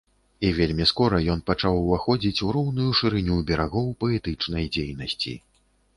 І вельмі скора ён пачаў уваходзіць у роўную шырыню берагоў паэтычнай дзейнасці.